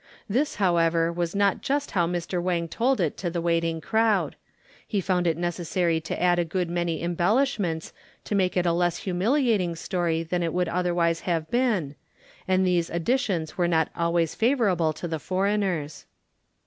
This, however, was not just how Mr. Wang told it to the waiting crowd. He found it necessary to add a good many embellishments to make it a less humiliating story than it would otherwise have been, and these additions were not always favorable to the foreigners.